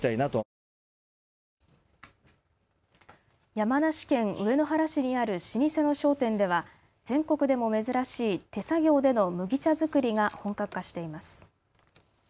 山梨県上野原市にある老舗の商店では全国でも珍しい手作業での麦茶作りが本格化しています。